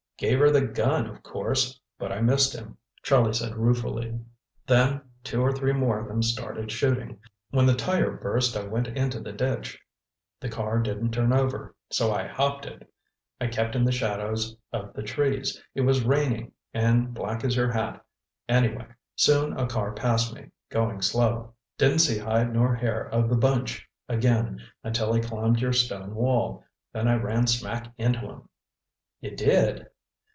"Gave her the gun, of course. But I missed him," Charlie said ruefully. "Then two or three more of them started shooting. When the tire burst I went into the ditch. The car didn't turn over—so I hopped it. I kept in the shadows of the trees. It was raining, and black as your hat, anyway. Soon a car passed me, going slow. Didn't see hide nor hair of the bunch again until I climbed your stone wall. Then I ran smack into 'em." "You did!"